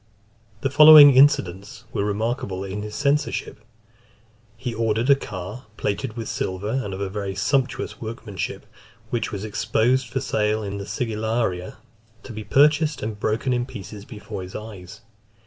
The following incidents were remarkable in his censorship. He ordered a car, plated with silver, and of very sumptuous workmanship, which was exposed for sale in the Sigillaria , to be purchased, and broken in pieces before his eyes.